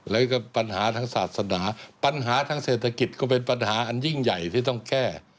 แล้วก็ปัญหาทางศาสนาปัญหาทางเศรษฐกิจก็เป็นปัญหาอันยิ่งใหญ่ที่ต้องแก้